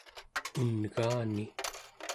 un'gaani